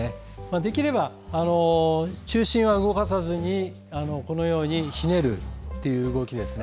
できれば、中心は動かさずにひねるという動きです。